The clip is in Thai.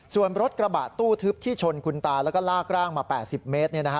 ส่วนรถกระบะตู้ทึบที่ชนคุณตาแล้วก็ลากร่างมา๘๐เมตร